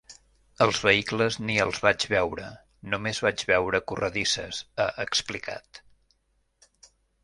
Els vehicles ni els vaig veure, només vaig veure corredisses, ha explicat.